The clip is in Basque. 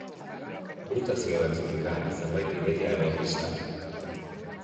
Burutazio batzuk dira, zenbait ideia edo pista.